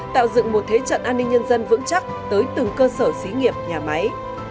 tạo dựng một thế trận an ninh nhân dân vững chắc tới từng cơ sở xí nghiệp nhà máy